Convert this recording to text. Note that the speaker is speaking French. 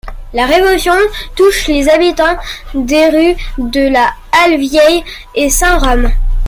La Révolution touche les habitants des rues de la Halle-Vieille et Saint-Rome.